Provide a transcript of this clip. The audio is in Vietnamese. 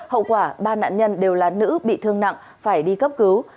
hậu quả ba nạn nhân đều là nữ bị thương nặng phải đi cấp cứu